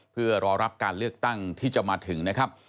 เพื่อรอรับการเลือกตั้งที่จะมาถึงนะครับ